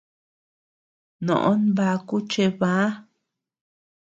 Noʼó nbaku chebäa.